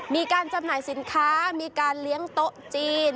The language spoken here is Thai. จำหน่ายสินค้ามีการเลี้ยงโต๊ะจีน